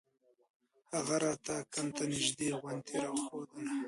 هغه راته کمپ ته نژدې غونډۍ راوښووله.